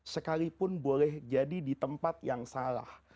sekalipun boleh jadi di tempat yang salah